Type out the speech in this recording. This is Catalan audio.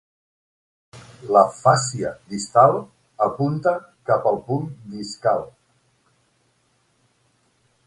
La fàscia distal apunta cap al punt discal.